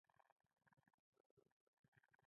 دې هېواد د پرتلې وړ نه وه.